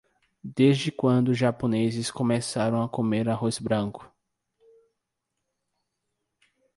Desde quando os japoneses começaram a comer arroz branco?